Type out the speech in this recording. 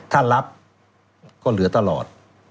ถ้ารับก็เหลือตลอด